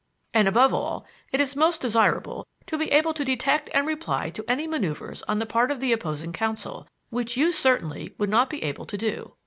And, above all, it is most desirable to be able to detect and reply to any maneuvers on the part of the opposing counsel, which you certainly would not be able to do."